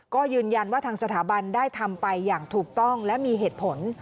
ก็ยืนยันว่าทางสถาบันได้ทำไปอย่างถูกต้องและมีเหตุผล